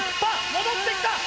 戻ってきた！